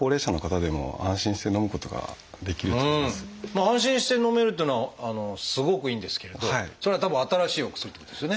まあ安心してのめるっていうのはすごくいいんですけれどそれはたぶん新しいお薬ってことですよね？